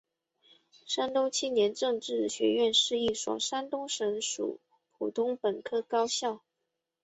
山东青年政治学院是一所山东省属普通本科高校。